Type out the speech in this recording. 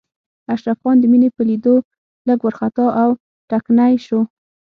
اشرف خان د مينې په ليدو لږ وارخطا او ټکنی شو.